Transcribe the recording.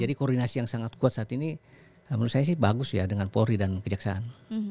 jadi koordinasi yang sangat kuat saat ini menurut saya bagus ya dengan polri dan kejaksaan